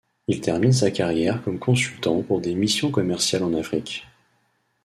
Il termine sa carrière comme consultant pour des missions commerciales en Afrique.